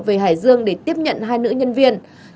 về hải dương để tiếp nhận hai nữ nhân viên